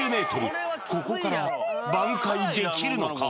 ここから挽回できるのか？